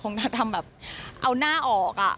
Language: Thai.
คงทำแบบเอาหน้าอก